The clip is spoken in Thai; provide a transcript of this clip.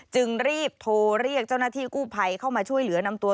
จึงรีบโทรเรียกเจ้าหน้าที่กู้ภัยเข้ามาช่วยเหลือนำตัว